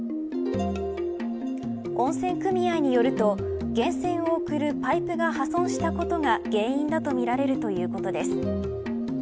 温泉組合によると源泉を送るパイプが破損したことが原因だとみられるということです。